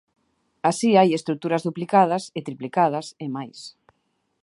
Así hai estruturas duplicadas e triplicadas e máis.